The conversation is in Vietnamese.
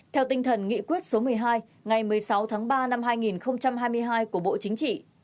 theo tinh thần nghị quyết số một mươi hai ngày một mươi sáu tháng ba năm hai nghìn hai mươi hai của bộ chính trị